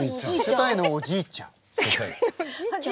世界のおじいちゃん？